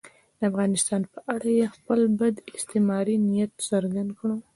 د افغانستان په اړه یې خپل بد استعماري نیت څرګند کړ.